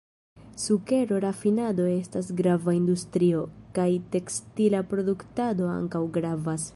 Sukero-rafinado estas grava industrio, kaj tekstila produktado ankaŭ gravas.